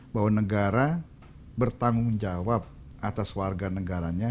bahwa negara bertanggung jawab atas warga negaranya